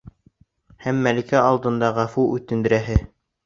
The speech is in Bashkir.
Һәм Мәликә алдында ғәфү үтендерәһе!